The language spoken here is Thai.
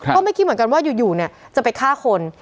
ก็ไม่คิดเหมือนกันว่าอยู่เนี่ยจะไปฆ่าคน